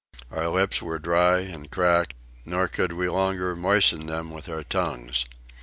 Our lips were dry and cracked, nor could we longer moisten them with our tongues.